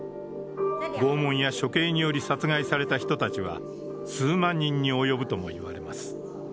拷問や処刑により殺害された人たちは数万人に及ぶともいわれます。